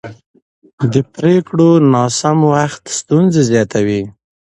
د پرېکړو ناسم وخت ستونزې زیاتوي